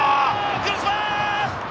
クロスバー！